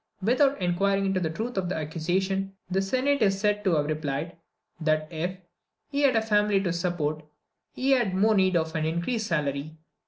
Without inquiring into the truth of the accusation, the Senate is said to have replied, that if "he had a family to support, he had the more need of an increased salary."